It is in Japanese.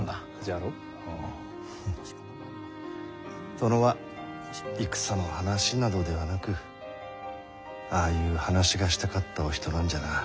殿は戦の話などではなくああいう話がしたかったお人なんじゃな。